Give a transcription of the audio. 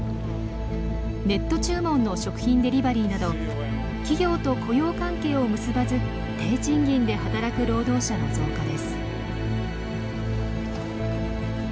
ネット注文の食品デリバリーなど企業と雇用関係を結ばず低賃金で働く労働者の増加です。